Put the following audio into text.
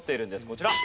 こちら。